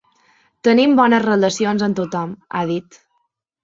Tenim bones relacions amb tothom, ha dit.